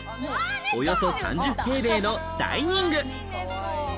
およそ３０平米のダイニング。